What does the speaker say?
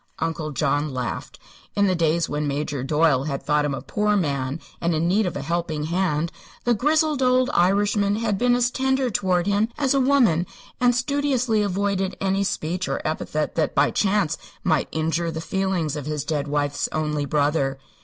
Uncle John laughed. In the days when Major Doyle had thought him a poor man and in need of a helping hand, the grizzled old Irishman had been as tender toward him as a woman and studiously avoided any speech or epithet that by chance might injure the feelings of his dead wife's only brother.